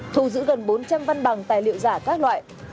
thu giữ gần bốn trăm linh văn bằng tài liệu giả các loại